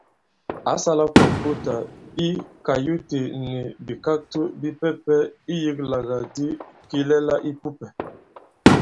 Ǎ sālā kɔ̀mputà i kayute nì bìkakto bipɛpɛ iyīklàgàdi kilɛla ī pupɛ̀.